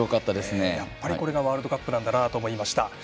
やっぱりこれがワールドカップなんだなと思いました。